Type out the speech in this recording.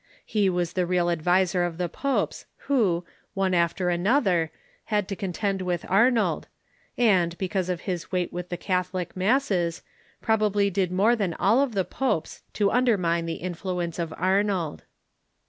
He Avas the real adviser of the popes Avho, one after another, had to con tend Avith Arnold, and, because of his Aveight Avith the Catho lic masses, probably did more than all of the popes to under mine the influence of Arnold.